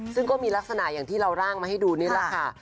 ซึ่งก็มีลักษณะอย่างที่เราร่างมาให้ดูนี่แหละค่ะ